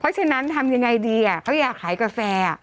เพราะฉะนั้นทำยังไงดีเขาอยากขายกาแฟ